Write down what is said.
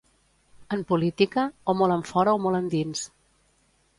En política, o molt enfora o molt endins.